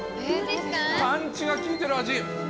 パンチが効いてる味。